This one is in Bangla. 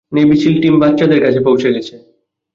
নেভি সীল টিম বাচ্চাদের কাছে পৌঁছে গেছে।